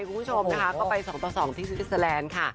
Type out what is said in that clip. คุณผู้ชมนะคะก็ไป๒ต่อ๒ที่พิศแลนด์ค่ะ